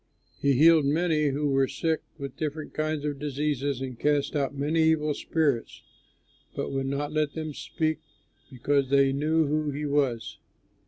He healed many who were sick with different kinds of diseases, and cast out many evil spirits, but would not let them speak, because they knew who he was.